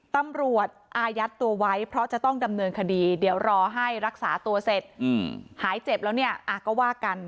อายัดตัวไว้เพราะจะต้องดำเนินคดีเดี๋ยวรอให้รักษาตัวเสร็จหายเจ็บแล้วเนี่ยก็ว่ากัน